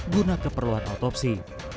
guna keperluan otopsi